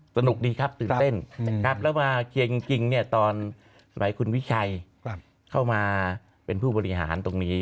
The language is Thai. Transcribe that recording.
สนุกดีครับตื่นเต้นนะครับแล้วมาจริงเนี่ยตอนสมัยคุณวิชัยเข้ามาเป็นผู้บริหารตรงนี้